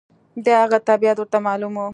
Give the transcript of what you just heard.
د هغه طبیعت ورته معلوم و.